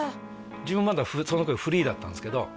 自分まだその頃フリーだったんですけど